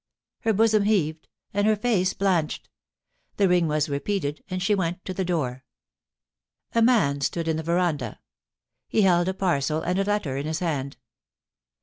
Her bosom hea^ ed, and her face blanched. The ring was repeated, and she went to the door. A man stood in the veranda. He held a parcel and a letter in his hand.